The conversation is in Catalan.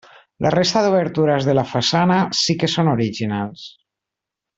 La resta d'obertures de la façana sí que són originals.